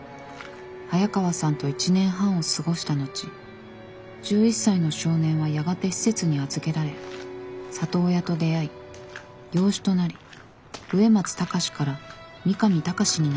早川さんと１年半を過ごした後１１歳の少年はやがて施設に預けられ里親と出会い養子となり上松高志から三上高志になった。